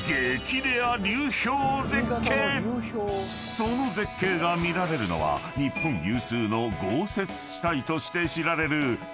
［その絶景が見られるのは日本有数の豪雪地帯として知られる］